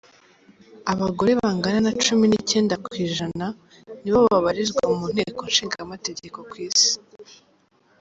Abagore bangana na nacumi nicyenda kw’ijana nibo babarizwa mu nteko nshingamategeko ku isi